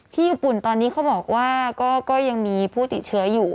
ญี่ปุ่นตอนนี้เขาบอกว่าก็ยังมีผู้ติดเชื้ออยู่